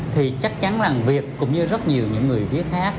thì chắc chắn rằng việt cũng như rất nhiều những người viết khác